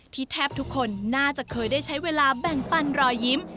แทบทุกคนน่าจะเคยได้ใช้เวลาแบ่งปันรอยยิ้ม